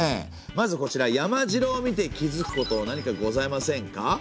まずこちら山城を見て気づくこと何かございませんか？